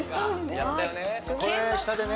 やったよね。